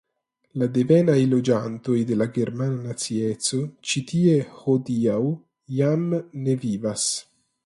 La devenaj loĝantoj de la germana nacieco ĉi tie hodiaŭ jam ne vivas.